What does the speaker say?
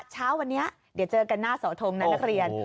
เช้าวันนี้เดี๋ยวเจอกันหน้าเสาทงนะนักเรียน